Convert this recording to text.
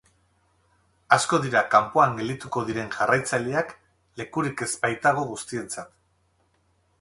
Asko dira kanpoan geldituko diren jarraitzaileak lekurik ez baitago guztientzat.